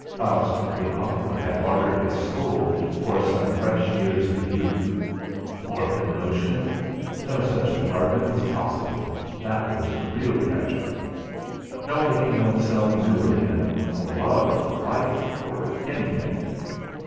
Faust in the opera had bartered his soul for some fresh years of youth. Morbid notion! No such bargain was possible, that was real tragedy! No making oneself new again for love or life or anything.